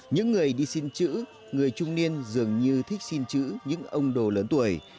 những người đi xin chữ người trung niên dường như thích xin chữ những ông đồ lớn tuổi